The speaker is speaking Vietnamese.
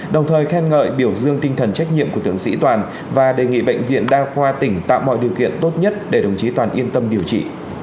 đồng thời khen ngợi biểu dương tinh thần trách nhiệm của tượng sĩ toàn và đề nghị bệnh viện đa khoa tỉnh tạo mọi điều kiện tốt nhất để đồng chí toàn yên tâm điều trị